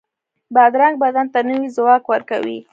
بادرنګ بدن ته نوی ځواک ورکوي.